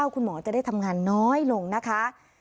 คุณหมอจะได้ทำงานน้อยลงนะคะ